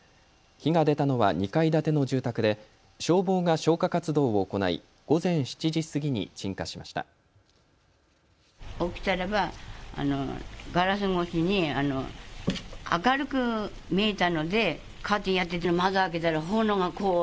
火が出たのは２階建ての住宅で消防が消火活動を行い午前７時過ぎに鎮火しました。